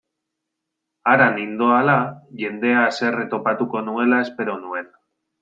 Hara nindoala, jendea haserre topatuko nuela espero nuen.